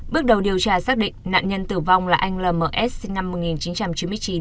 bước đầu điều tra xác định nạn nhân tử vong là anh lms sinh năm một nghìn chín trăm chín mươi chín